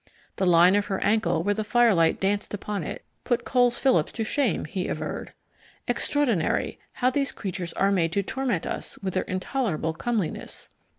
The line of her ankle where the firelight danced upon it put Coles Phillips to shame, he averred. Extraordinary, how these creatures are made to torment us with their intolerable comeliness!